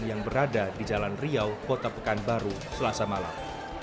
yang berada di jalan riau kota pekanbaru selasa malam